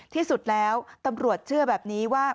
ที่สุดแล้วตำรวจเชื่อแบบนี้ว่า